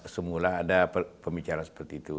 semula ada pembicaraan seperti itu